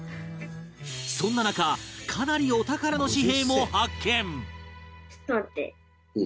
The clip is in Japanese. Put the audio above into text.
そんな中かなりお宝の紙幣も発見